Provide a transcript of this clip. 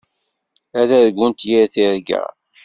Ad argunt yir tirga.